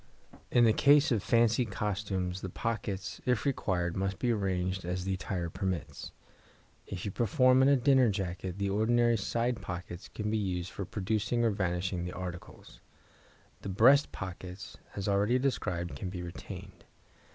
In the case of fancy costumes the pockets, if required, must be arranged as the attire permits. If you perform in a dinner jacket, the ordinary side pockets can be used for producing or vanishing the articles. The breast pockets, as already described, can be retained.